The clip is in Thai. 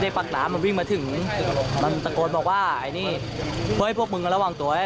เด็กปากตามน่ะวิ่งมาถึงมันตะโกดบอกว่าอันนี้เฮ้ยพวกมึงระวังตัว